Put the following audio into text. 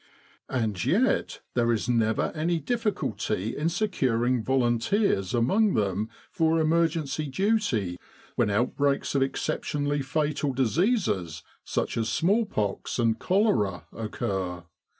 And yet there is never any difficulty in securing volunteers among them for emergency duty when outbreaks of exceptionally fatal diseases, such as smallpox and cholera, occur.